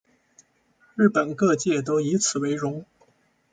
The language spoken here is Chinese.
日本各界都以此为荣。